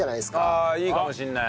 ああいいかもしれない。